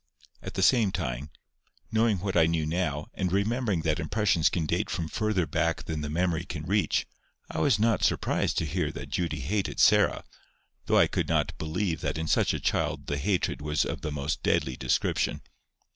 At the same time, knowing what I knew now, and remembering that impressions can date from farther back than the memory can reach, I was not surprised to hear that Judy hated Sarah, though I could not believe that in such a child the hatred was of the most deadly description.